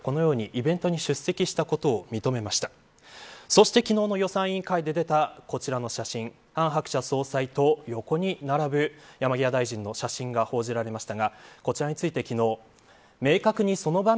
そして昨日の予算委員会で出たこちらの写真韓鶴子総裁と横に並ぶ山際大臣の写真が報じられました。